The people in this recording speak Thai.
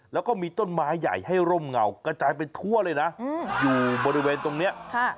แล้วก็มีต้นไม้ใหญ่ให้ร่มเงากระจายไปทั่วเลยนะอยู่บริเวณตรงนี้